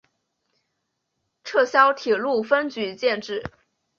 撤销铁路分局建制。